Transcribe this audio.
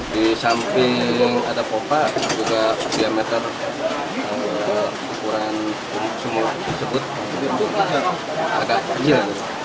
di samping ada popa juga diameter ukuran sumur tersebut agak panjang